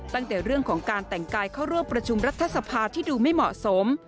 ตั้งแต่เรื่องของการแต่งกายเข้าร่วมประชุมรัฐสภาที่ดูไม่เหมาะสม